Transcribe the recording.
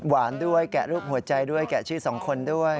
ด้วยแกะรูปหัวใจด้วยแกะชื่อสองคนด้วย